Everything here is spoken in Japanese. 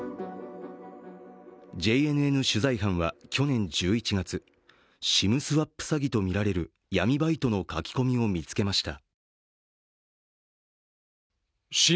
ＪＮＮ取材班は、去年１１月ＳＩＭスワップ詐欺とみられる闇バイトの書き込みを見つけました。